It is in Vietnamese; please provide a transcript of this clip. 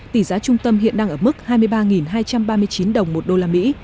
tỷ giá trung tâm hiện đang ở mức hai mươi ba hai trăm ba mươi chín đồng một đô la mỹ